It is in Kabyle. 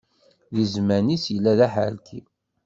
Di zzman-is yella d aḥerki.